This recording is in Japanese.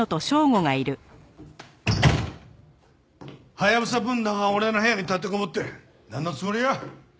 ハヤブサ分団が俺の部屋に立てこもってなんのつもりや？